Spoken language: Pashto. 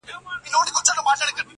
د بلبل کندهار ښکلې رسامي.